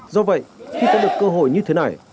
do vậy khi có được cơ hội như thế này